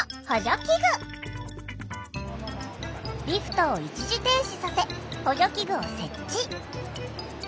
リフトを一時停止させ補助器具を設置。